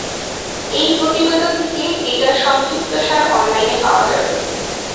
এই প্রতিবেদন থেকে ডেটা সংক্ষিপ্তসার অনলাইনে পাওয়া যাবে।